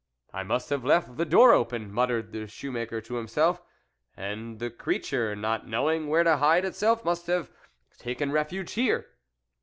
" I must have left the door open," mut tered the shoe maker to himself, "and the creature, not knowing where to hide itself, must have taken refuge here."